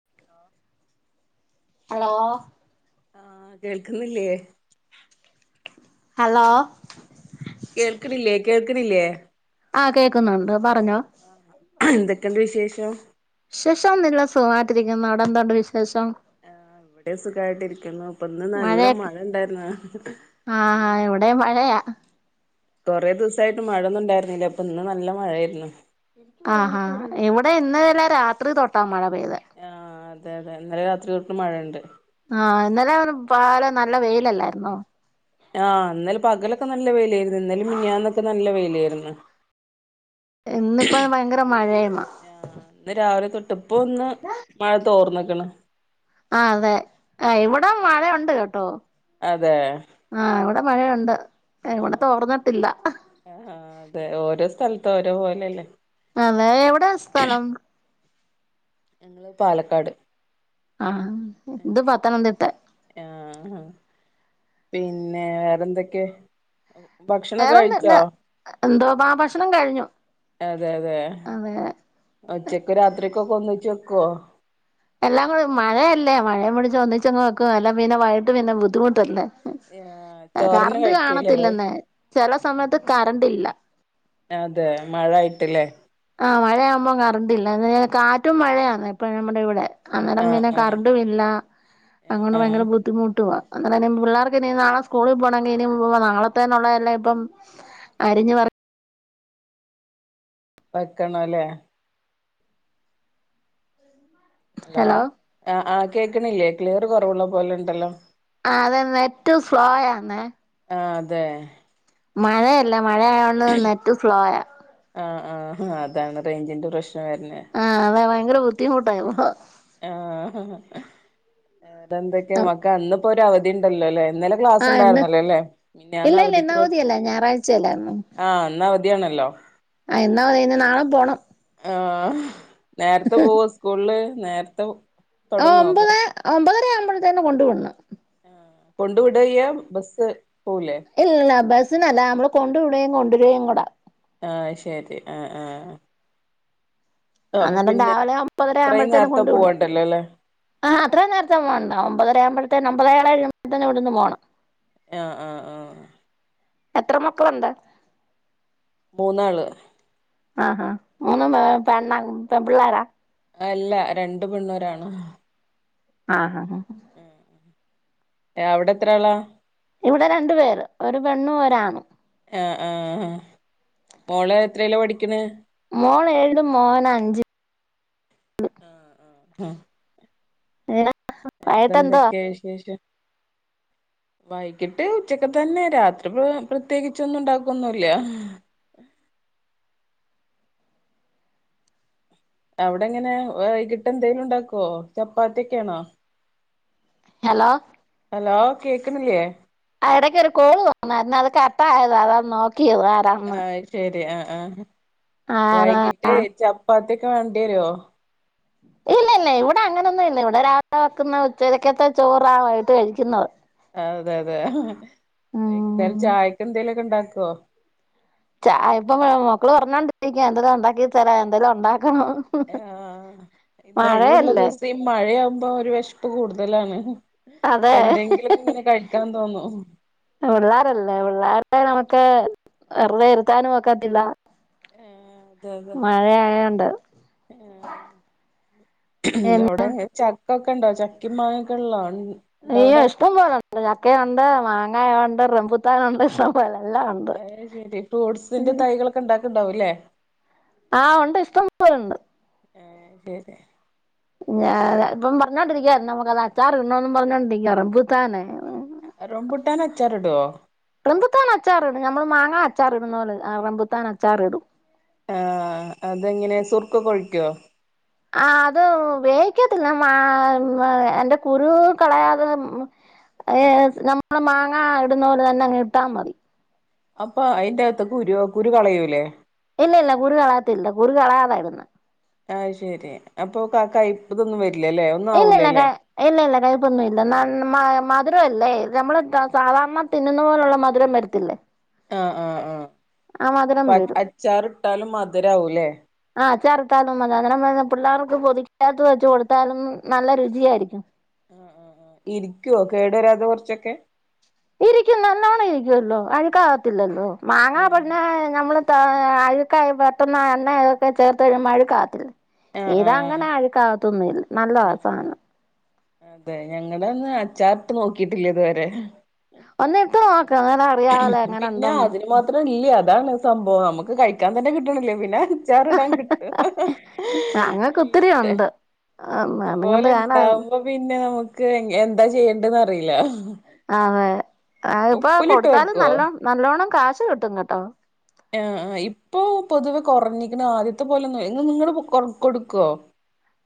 [inaudible] Hello ആ കേൾക്കുന്നില്ലേ hello കേൾക്ക്ണില്ലേ കേൾക്ക്ണില്ലേ ൾക്കുന്നുണ്ട് പറഞ്ഞോ ആ എന്തൊക്കണ്ട് വിശേഷം വിശേഷം ഒന്നില്ല സുഖമായിറ്റിരിക്കുന്നു അവിടെ എന്താണ്ട് വിശേഷം? എവിടെ സുഖായിട്ടിരിക്കുന്നു. അപ്പൊ ഇന്ന് നല്ല മഴയൊക്കെ മഴ ഇണ്ടായിരുന്നു ആഹ് ഇന്ന് [unintelligible] കുറേ ദിവസായിട്ട് മഴൊന്നും ഉണ്ടായിരുന്നില്ല. ഇപ്പൊ ഇന്ന് നല്ല മഴ ആയിരുന്നു. ആഹാ ഇവിടെ ഇന്നലെല്ലെ രാത്രി തൊട്ടാ മഴ പെയ്തെ ആ അതെ അതെ ഇന്നലെ രാത്രി തൊട്ട് മഴയുണ്ട് അതും പാലും നല്ല വെയിലല്ലായിരുന്നോ ആ ഇന്നല പകലൊക്കെ നല്ല വെയിലായിരുന്നു ഇന്നലും മിനാന്നൊക്കെ നല്ല വെയില ആായിരുന്നു [inaudible] ഇന്നിപ്പോ ഭയങ്കര മഴയുമാ ആ ന്ന് രാവിലെ തൊട്ടപ്പ ഒന്ന് മഴ തോർന്ന ആ അതെ ആ ഇവിട മഴയ ഉണ്ട് കേട്ടോ അതെ ആഹ് ഇവിടെ മഴയുണ്ട് ആഹ് ഇവിടെ ആഹ് തോർന്നിട്ടില്ല ോരോ പോലെല്ലേ അതെ എവിടെ സ്ഥലം ഞങ്ങള് പാലക്കാട് ആഹ് ഇത് പത്തനംതിട്ട ആഹ് പിന്നെ വേറെന്തൊക്കെ ഭക്ഷണൊക്കെ വേറെൊന്ന ഇല്ല കഴിച്ചോ എന്തോ ആ ഭക്ഷണം കഴിഞ്ഞു അതെ അതെ അതെ ഒച്ചക്ക് രാത്രിക്കൊക്കെ ഒന്നച്ച് വെക്കുവോ എല്ലാം കൂടി മഴയല്ലേ മഴ മുടിച്ച് ഒന്നിച്ചങ്ങ് വെക്കും എല്ലാം പിന്നെ വഴിട്ട് പിന്നെ ബുദ്ധിമുട്ടല്ലേ ആഹ് ചോറന്നെ കറണ്ട് കഴിക്കൂല്ലേ കാണത്തില്ലെന്ന ചില സമയത്ത് കറണ്ട് ഇല്ല അതെ മഴ ആയിട്ടില്ലേ ആ മഴയാകുമ്പോൾ കറണ്ടില്ല [unintelligible] കാറ്റും മഴയാണ് ഇപ്പ നമ്മുടെ ഇവിടെ അന്നേരം ആഹ് പിന്നെ ആഹ് കരണ്ട് ഇല്ല ആഹ് അങ്ങോണ്ട് ആഹ് ഭയങ്കര ബുദ്ധിമുട്ടുവാ എന്ന പിള്ളേർക്ക് ഇനി നാളെ സ്കു സ്കൂളിൽ പോണമെങ്കിൽ ഇനും നാളെത്തന്നുള്ളതല്ല ഇപ്പം അരിഞ്ഞഞ് പറ വയ്ക്കണ ല്ലേ ഹലോ ആ ആ കേക്കണില്ലേ ക്ലിയർ കുറവുള്ള പോലെ ഇണ്ടല്ലോ ആ അത നെറ്റവും സ്ലോ ആന്ന ആ അതെ മഴയല്ല മഴയതോണ്ട് നെറ്റ് സ്ലോ യാ ആഹ് ആഹ് അതാണ് റേഞ്ചിന്റെ പ്രശ്നം വരുന്നെ ആഹ് അതെ ഭയങ്കര ബുദ്ധിമുട്ടാ യിപ്പം ആഹ് തെന്തൊക്കെയാ മക്ക് ന്നപ്പോ ഒ ഒരു അവധി ഉണ്ടല്ലോല്ലേ ഇന്നലെ ക്ലാസ് ആഹ് ഇന്ന് ഇണ്ടായിരുന്നല്ലേല്ലേ ഇല്ല മിനിയാന്ന് ഇല്ല ഇന്ന് അവധിക്ക് അവധിയല്ല ഞായറാഴ്ചയല്ലായിരുന്നോ ആ അവധ യാണല്ലോ ആ എന്നാെ നാളും പോണം ആ ഹ് നേരത്തെ പോവ സ്കൂളില് നേരത്തെ ആ തൊടങ്ങുവോ ഒമ്പത് ഒമ്പതര ആവുമ്പോഴത്തേ തന്നെ കൊണ്ട വിടണം ആ കൊണ്ടു വിട്യ യ്യ ബസ്സ് പോവൂലേ ഇല്ല ബസ്സിനല്ല നമ്മള് കൊണ്ട വിടയും കൊണ്ടുവരിയും കൂടെ ആ ശരി ആ ആ അങ്ങേരം രാവിലെ മുപ്പതര അത്രയും ആവുമ്പോഴത്തേനും നേരത്തെ കൊണ്ടു വിടു പോവണ്ടല്ലോ ല്ലേ ആ അത്രയും നേരത്തം പോണ്ട ഒമ്പതര ആകുമ്പഴേ ഒമ്പത ഏഴ എഴുമ്പോഴത്തന്നെ ഇവിടുന്ന് പോകണം ആ ആ ആ എത്ര മക്കള ണ്ട് മൂന്നാള് ആഹ് മൂന്നു [unintelligible] പെണ്ണ് പിള്ളോരാ അല്ല രണ്ടു പെണ്ണൂ രാണ് ആ ആ ഹ് അവിടെ എത്ര ആളാ ഇവിടെ രണ്ടു പേര് ഒരു പെണ്ണും ഒരാണു ആ ആ മോൾ എത്രല്ല പഠിക്കണ മോൾ ഏഴ് മോൻ അഞ്ച് ഉം [unintelligible] വൈകിട്ട് എന്തുവാ ഏറെന്തൊക്കെയാ വിശേഷം വൈകിട്ട് ഉച്ചക്ക് തന്നെ രാത്രി പ്ര പ്രത്യേകിച്ച ഒന്നും ഉണ്ടാക്കൊന്നുംല്ല അ അവിടെ എങ്ങനെ കിട്ട എന്തേലും ഉണ്ടാക്കോ ചപ്പാത്തിയ ഒക്കെയാണോ ഹലോ ഹലോ കേക്കുന്നില്ലേ ആടക്ക ഒരു കോ തോന്നു അത് കട്ട ആയത് അതാ നോ ആഹ് ശരി ആഹ ആഹ ആരാ വൈകിട്ട് ചപ്പാത്തി വേണ്ടി വരുവോ ഇല്ല ഇല്ല ഇവിടെ അങ്ങനൊന്നും ഇല്ല ഇവിടെ രാവിലെ വെക്കുന്ന ഉച്ചയ്ക്കത്തെ ചോറായിട്ട് കഴിക്കുന്നത് അതെ അതെ എന്തോലും ഉം ചായക്ക എന്തേലുമൊക്കെ ഇണ്ടാക്കോ ഇപ്പൊ മക്കള് പറഞ്ഞോണ്ടിരിക്ക എന്തേലും ഉണ്ടാക്കി തരാ എന്തേലും ഉണ്ട ആഹ് ഇന്ന ഒഴിവുള്ള മഴയല്ലേ ദിവസം ഈ മഴയാവുമ്പോ ഒരു വിഷപ്പ് കൂടുതലാണ് അതെ എന്തെങ്കിലുമൊക്കെ ഇങ്ങനെ കഴിക്കാൻ തോന്നും പിള്ളോരല്ലേ പിള്ളേർ നമുക്ക് വെറുതെ വരുത്താനും നോക്കത്തില്ല മഴയയണ്ട പിന്നെ എവിടെങ്ങ ച ഒക്ക ഒക്കെണ്ടോ ചക്കിമാങ്ങൊക്കെ ഉള്ളോ നീയ ഉണ്ടവിടെ ഇഷ്ടംപ പോലെുണ്ട് ചക്കുണ്ട് മാങ്ങായ ഉണ്ട് റംമ്പുത്താന ഉണ്ട് ഇഷ്ടം പോലെ എല്ലാം ഉണ്ട് അഏ ശരി ഫ്രൂട്സിന്റെ തൈകളൊക്കെ ഉണ്ടാക്കണ്ടാവൂല്ലേ ആ ഉണ്ട് ഇഷ്ടം പോലണ്ട് ആഹ ശരി ഞ ഇപ്പൊ പറഞ്ഞോണ്ടിരിക്ക നമ്മു അത് അച്ചാറ്ണോന്ന് പറഞ്ഞോണ്ടിരിക്കറ പുത്താനെ റംബട്ടാന അച്ചാാരടുവോ മ്പുത്താൻ അച്ചാർ ഇടും നമ്മൾ മാങ്ങാ അച്ചാർ ഇടുന്നലെ റമ്പുത്താൻ അച്ചാർ ഇടും ആ അതെങ്ങനെ സുർക്ക കൊഴിക്കോ ആ അത് വേവിക്കത്തില്ല എറെ കുരു കളയാതെ ഏ നമ്മള് മാങ്ങാ ഇടുന്ന പോലെ തന്നെ അങ്ങ് ഇട്ടാ മതി അപ്പ അയിന്റെ അകത്തക്ക കുരു കുരു കളയൂല്ലേ ഇല്ല ഇല്ല കുറ കളാത്തില്ല കുറ കളാതായിുന്ന ആഹ് ശരി അപ്പൊ കാക്ക ഇപ്പതൊന്നും വര ഇല്ല ഇല്ല കൈ ഇല്ല ഇല്ല കൈബൊന്നും ഇല്ല ന മാ മധുരം അല്ലേ നഞമ്മള് സാധാരണ തിന്നുന്ന പോലുള്ള മധുരം വരത്തില്ലേ ആഹ് ആഹ ആ മധുരം ആഹ വരും അച്ചാറി ഇട്ടാലും മധുരവുംല്ലേ ത്താലും അത പിള്ളേർക്ക് പൊതിക്കാത്ത വെച്ച കൊടുത്താലും നല്ല രുചിയായിരിക്കും ആ ആ ആ് ഇരിക്കുവോ കേടു വരാതെ കുറച്ചൊക്കെ ഇരിക്കും നല്ലോണം ഇരിക്കുവല്ലോ അഴുക്ക ആകത്തില്ലല്ലോ മാങ്ങാ ആഹ് പടന്ന നമ്മള് അഴുക്കായി പെട്ടന്ന് എണ്തൊക്കെ ചേർത്ത് മഴ കാത്തില്ല ആഹ് ഇഏതാ അങ്ങനെ ആഹ് ആഴക്കാകത്തൊന്നുംല്ല നല്ല വസാണ് അതെ ഞങ്ങടെ ഒന്ന് അച്ചാർട്ട് നോക്കിട്ടില്ലേ ഇതുവരെ അന്ന ത പിന്നെ അതിന് മാത്രംല്ലേ അതാണ് സംഭവം നമുക്ക് കഴിക്കാൻ തന്നെ കിട്ടണില്ലേ പിന്നെ ചാറടാം കിട്ട് ഞങ്ങക്ക് ഒത്തിരി ഇഷ്ട ഉണ്ട് ഇഷ്ടം അതുകൊണ്ട് പോലെ ഞാൻ ഉണ്ടാവുമ്പോ പിന്നെ നമുക്ക് എന്താ ചെയ്യേണ്ടന്ന് അറിയില്ല അതെ അ ഇപ്പൊ ഉപ്പിലിട്ട് കൊടുത്താലും വെക്കുവോ നല്ലോണം നല്ലോണ്ണം കാശ് കിട്ടും കേട്ടോ ആ ഇപ്പൊ പൊതുവെ കുറഞ്ഞിക്കുന്ന ആദ്യത്തെ പോലെന്ന നിങ്ങള് കൊ കൊടുക്കുവോ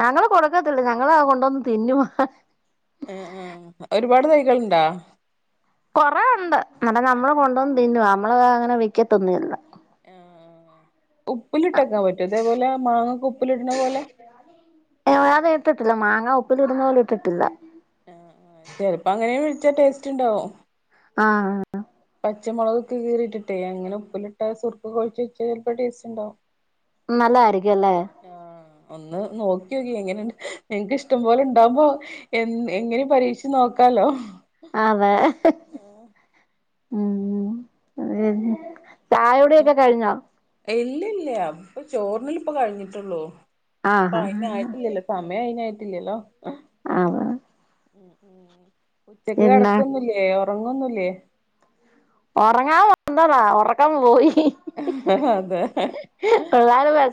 ഞങ്ങള് കൊടുക്കത്തില്ല ഞങ്ങളെ കൊണ്ടൊന്ന് തിന്നു ആ ആ ഒരുപാട് തൈകൾണ്ടാ കൊറേണ്ട് എന്നല്ല നമ്മള് കൊണ്ടുവന്ന് തിന്നു നമ്മള് അങ്ങനെ വെക്കത്തൊന്നല്ല ഏ ഉപ്പിലിട്ടക്കാൻ പറ്റും ഇതേപോലെ മാങ്ങക്ക് ഉപ്പിലിടണ പോലെ ഏ അത് ഇട്ടിട്ടില്ല മാങ്ങ ഉപ്പിൽ ഇടുന്ന പോലെ ഇട്ടിട്ടില്ല ഏ ഏ ചെലപ്പം അങ്ങനെ വിളിച്ചാ ടേസ്റ്റ് ഉണ്ടാവും ആഹ് ആ പച്ചമുളകൊക്കെ കീറിയിട്ടിട്ടേ അങ്ങനെ ഉപ്പിലിട്ട സുർക്ക കുഴച്ച് വെച്ചാ ചിലപ്പോ ടേസ്റ്റ് ഉണ്ടാവും നല്ല ആയിരിക്കു അല്ലേ ആഹ് ഒന്ന് നോക്കിയോക്കി. എങ്ങനെണ്ട് നിങ്ങക്ക് ഇഷ്ടം പോലെ ഉണ്ടാവുമ്പോ എ എങ്ങനിം പരീക്ഷിച്ച് നോക്കാ ലോ ആ തെ ആഹ് ഉം അ ചായുടിയൊക്കെ കഴിഞ്ഞോ ഇല്ല ഇല്ല ഇപ്പൊ ചോറ് ന്നല് ഇപ്പ കഴിഞ്ഞിട്ടുള്ളൂ. ഇപ്പ ആഹ് അയിനായിട്ടില്ലല്ലൊ സമയം അയിനാ ട്ടില്ലല്ലോ ആന്ന് ഉച്ചക്ക് കിടക്കൊന്നുല്ലേ ഉറങ്ങൊന്നുല്ലേ ഉറങ്ങാൻ വന്നതാ ഉറക്കം പോയി അതെ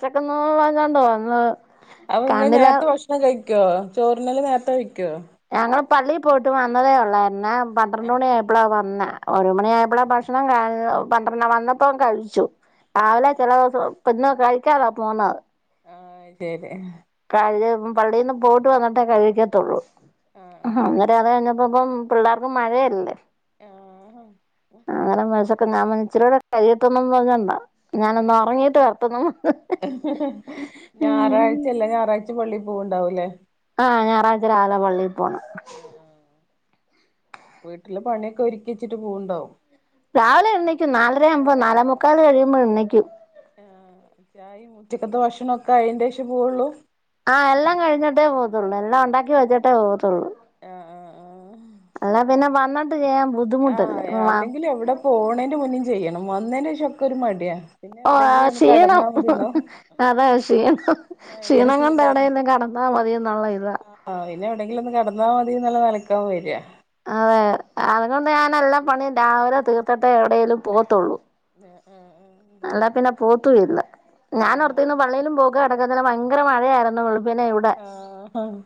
ഉച്ചക്കുന്നു [unintelligible] അപ്പ ഇങ്ങെ നേരത്തെ ഭക്ഷണം കഴിക്കോ? ചോറിനെല്ലം നേരത്തെ കഴിക്കോ പള്ളീ പോയിട്ട് വന്നതേ ഒള്ളായിരുന്നെ. പന്ത്രണ്ട് മണി ആയപ്പളാ വ ന്നെ. ഒരു മണി ആയപ്പളാ ഭക്ഷണം ക. പന്ത്രണ് വന്നപ്പം കഴിച്ചു രാവിലെ ചെല ദിവസം പ്പന്ന് കഴിക്കാതാ പോന്നത്. ആഹ ശരി [unintelligible] പള്ളിന്ന് പോയിട്ട് വന്നിട്ടേ കഴിക്കത്തൊള്ളൂ ആഹ് [inaudible] ന്നിട്ട് അത് കഴിഞ്ഞപ്പോപ്പം പിള്ളേർക്കും മഴയല്ലേ ആഹ് അങ്ങനെ മനസ്സൊക്കെ ഞാൻപഞ്ഞു ഇച്ചിരിയൂടെ കഴിയട്ടെന്നും പറഞ്ഞോണ്ട ഞാനൊന്ന് ആഹ് ഉറങ്ങീട്ട് വരട്ടെന്നൂ [unintelligible] റ്റ് പള്ളിയി പൂവണ്ടാവുംല്ലേ ആഹ ഞായറാഴ്ച രാല പള്ളി പോണം. വീട്ടില് പണിയൊക്കെ ഒരുക്കിച്ചിട്ട് പോവണ്ടാവും രാവിലെ എണ്ണക്കും നാലര ആവുമ്പോ നാലാമുക്കാൽ കഴിയുമ്പോൾ എണ്ണക്കും. ആ ചായ ഉച്ചക്കത്തെ ഭക്ഷണം ഒക്കെ അയിന്റെഷേ പോവുള്ളു ആഹ എല്ലാം കഴിഞ്ഞിട്ടേ പോത്തുള്ളു എല്ലാം ഉണ്ടാക്കി വെച്ചിട്ടേ പോകത്തൊ ള്ളൂ. ആഹ് ആഹ് അല്ലേ പിന്നെ വന്നിട്ട് ചെയ്യാം ആഹ അല്ലെങ്കിൽ എവിടെ പോണേന്റെ മുന്നേും ചെയ്യണം വന്നേന്റെ ശേഷം ഒക്കെ ഒരു മടിയാ പിന്നെ ഓ എവിടെങ്കിലും ഒന്ന് ക്ഷീണം കെടന്നാ മതിന്നോ അതാ ക്ഷീണം ഭയങ്കര ക്ഷീണം കൊണ്ട് ക്ഷീണാ എവിടെയെങ്കിലും കടന്നാ മതിയെന്നുള്ള ഇതാ ആ പിന്നെ എവിടെങ്കിലും ഒന്ന് കടന്ന അ മതി ന്നുള്ള നലക്കാവും വരാ അതെ, അതുകൊണ്ട് ഞാൻ എല്ലാം പണിയും രാവിലെ തീർത്തിട്ടെ എവിടേലും പോവത്തൊള്ളൂ. ആ ആഹ് ആ് അല്ലാ പിന്നെ പോത്തു ഇല്ല ഞാനോർത്തീന്നു ആഹ് പള്ളിയിലും പോക്ക് അടക്കത്തില്ല ഭയങ്കര മഴയാരുന്നു [unintelligible] [unintelligible] ആഹ് ആഹ്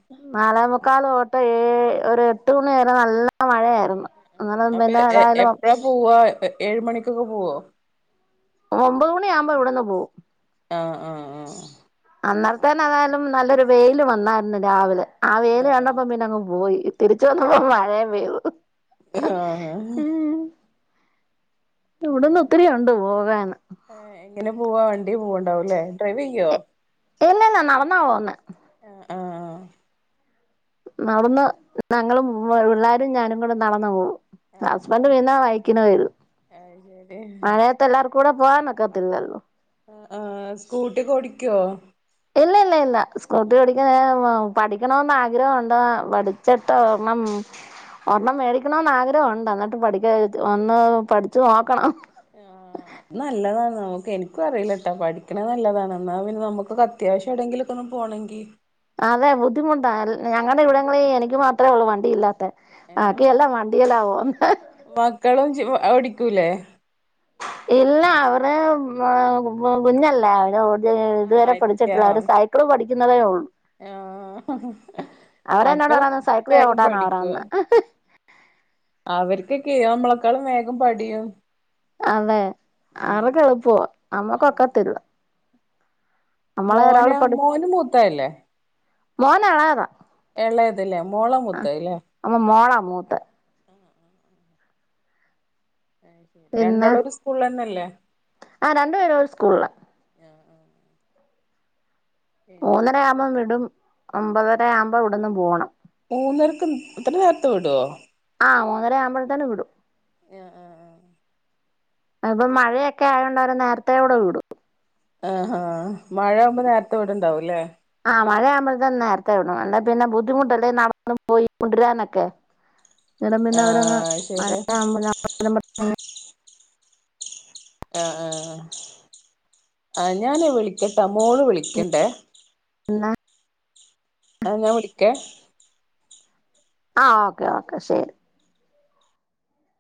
ക്കാല് തൊട്ട് ഏ ഒരു എട്ട് മണി വരെ നല്ല മഴയായിരു അ ആ അപ്പ എ എ എപ്പഴാ പോവാ എ ഏഴ് മണിക്കൊക്കെ പോവോ? ഒമ്പത് മണി ആവുമ്പോ ഇവിടന്ന് പോവും. ആ ആ ആ അന്നേരത്തെന്നെ അതായാലും, നല്ലൊരു വെയ്ൽ വന്നായിരുന്നു രാവിലെ. ആ വെയ്ൽ ആഹ് കണ്ടപ്പോ പിന്നെ അങ്ങ് പോയി. തിരിച്ചു വന്നപ്പോ മഴയും പെയ്തു. ആഹ ആഹ് ഉം ഇവിടുന്ന് ഒത്തിരി വേറെന്തൊക്കെ? ഉണ്ട് പോകാന് ഏ എങ്ങനെ പോവാ വണ്ടി [inaudible] യ്യ് പോവ്ണ്ടാവുംല്ലേ, ഡ്രൈവ് ചെയ്യോ? ഇല്ല ഇല്ല, നടന്നാപോവുന്ന്. ആഹ് ആഹ നടന്ന് ഞങ്ങളും മ്മ്, പിള്ളാരും, ഞാനും കൂടെ നടന്നു പോകവും. ആഹ് ഹസ്ബൻഡ ആഹ് വന്നാ വയിക്കന വരു അത് ശരി മഴയത്ത് എല്ലാർകും കൂടെ പോവാനോക്കത്തില്ലല്ലോ. ആ സ്കൂട്ടി ഒക്കെ ഓടിക്കോ? ഇല്ല ഇല്ല ഇല്ല, സ്കൂട്ടി [unintelligible] പഠിക്കണന്ന് ആഗ്രഹം ഉണ്ടെടാ. പഠിച്ചിട്ടേണം ഒരെണ്ണം മേടിക്കണോന്ന് ആഗ്രഹംഉണ്ട്. എന്നിട്ട് പഠിക്കരുതി. ഒന്ന് പഠിച്ച് നോക്കണം. ഇ ആ ആ നല്ലതാണ്. നമുക്ക്, എനിക്കും അറിയില്ലട്ടാ. പഠിക്കണ നല്ലതാണ് എന്നാൽ പിന്നെ നമുക്ക് ഒക്കെ അത്യാവശം എവിടെങ്കിലൊക്കൊന്ന് പോണെങ്കി അതെ ബുദ്ധിമുട്ടാ, ഞങ്ങടെ ഇവിടങ്ങളിൽ എനിക്ക് മാത്രേ ഉള്ളൂ വണ്ടി ഇല്ലാത്തെ ഏഹ് ബാക്കിയെല്ലാം വണ്ടി [unintelligible] മക്കളും ജി ഓടിക്കൂലേ ഇല്ല അവര് മ്കുഞ്ഞല്ലേ അവര് [unintelligible] ഇത് ഇതുവരെ ആഹ് പഠിച്ചിട്ടില്ല ഇല്ല അവര് സൈക്കിള് പഠിക്കുന്നതേ ഉള്ളൂ ആഹ് മക്കളൊക്കെ അവരെന്നോടവിടന്ന് സൈക്കിള് വേഗം ചവിട്ടാനാ പറയുന്നേ [unintelligible] അവർക്കൊക്കെയ നമ്മളക്കാളും വേഗം പടിയും. അതെ [unintelligible] നമ്മക്കൊക്കത്തില്ല. മോന് മോന് മൂത്തതല്ലേ മോന് എളേതാ ഇളയത് ല്ലെ മോള മൂത്തത് ല്ലേ മൂത്ത പിന്നെ. രണ്ടാളും ഒരു സ്കൂളിലന്നല്ലേ ആ രണ്ടു പേരും ഒരു സ്കൂളിലാ പിന്നെ മൂന്നര ആവുമ്പോം വിടും ഒമ്പതര ആവുമ്പോ ഇവിടുന്നു പോണം മൂന്നരക്ക്. ഇത്ര നേരത്തെ വിടുവോ ആ മൂന്നര ആമ്പഴ്ത്തേന് വിടും ആ ആ ആ ഇപ്പ മഴയൊക്കെ ആയോണ്ട് അവരെ നേരത്തെ കൂടെ വിടും ആഹ് ഹാ. മഴ ആകുമ്പോ നേരത്തെ വിട്ണ്ടാവും ല്ലേ ആ മഴയാകുമ്പത്തേനും നേരത്തെ വിടണം. അല്ലെ പിന്നെ ബുദ്ധിമുട്ടല്ലേ. നടന്നു പോയി കൊണ്ടരാനൊക്കെ അന്നേരം പിന്നെ അവരങ്ങ് ആഹ് ശരിയാ മഴയാവ്മ്പഴാ [unintelligible] ആ ആ ഹാ ഞാന് വിളിക്കട്ടൊ മോള് വിളിക്ണ്ടേ ന്നാ ആഹ് ഞാൻ വിളിക്കെ ആഹ് ഓക്കെ ഓക്കെ ശരി